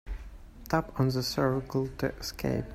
Tap on the circle to escape.